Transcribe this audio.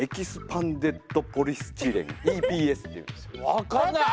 分かんない！